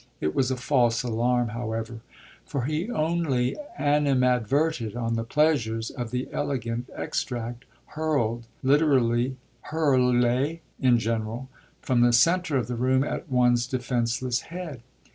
It was a false alarm, however, for he only animadverted on the pleasures of the elegant extract hurled literally hurlé in general from the centre of the room at one's defenceless head.